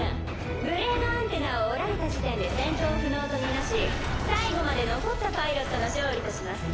ブレードアンテナを折られた時点で戦闘不能と見なし最後まで残ったパイロットの勝利とします。